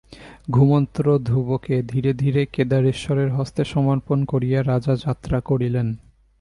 ঘুমন্ত ধ্রুবকে ধীরে ধীরে কেদারেশ্বরের হস্তে সমর্পণ করিয়া রাজা যাত্রা করিলেন।